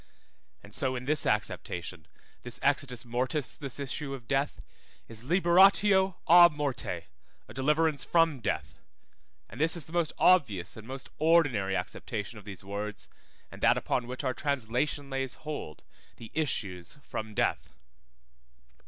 And so in this acceptation, this exitus mortis, this issue of death is liberatio á morte, a deliverance from death, and this is the most obvious and most ordinary acceptation of these words, and that upon which our translation lays hold, the issues from death.